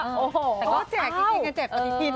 แต่ก็แจกจริงไงแจกปฏิทิน